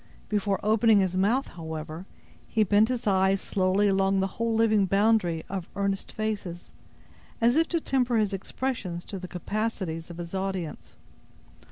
Before opening his mouth, however, he bent his eyes slowly along the whole living boundary of earnest faces, as if to temper his expressions to the capacities of his audience.